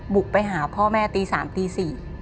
บุกไปหาพ่อแม่ตี๓ตี๔